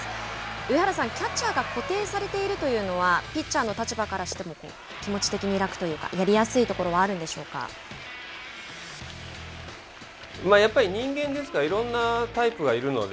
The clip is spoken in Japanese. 上原さん、キャッチャーが固定されているというのはピッチャーの立場からしても気持ち的に楽というかやりやすいところはやっぱり人間ですから、いろんなタイプがいるので。